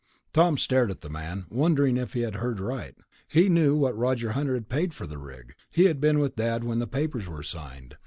Tom stared at the man, wondering if he had heard right. He knew what Roger Hunter had paid for the rig; he had been with Dad when the papers were signed.